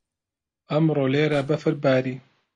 ئەمڕۆ لێرە بەفر باری.